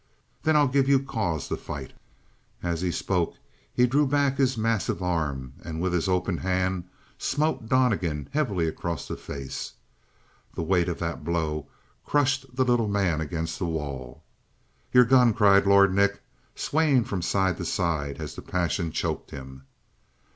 "Then I'll give you cause to fight." And as he spoke, he drew back his massive arm and with his open hand smote Donnegan heavily across the face. The weight of that blow crushed the little man against the wall. "Your gun!" cried Lord Nick, swaying from side to side as the passion choked him.